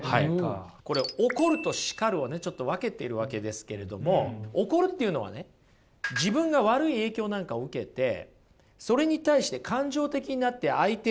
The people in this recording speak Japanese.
これ怒ると叱るをねちょっと分けているわけですけれども怒るっていうのはね自分が悪い影響なんかを受けてそれに対して感情的になって相手を責めることですよね？